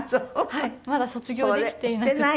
まだ卒業できていなくて。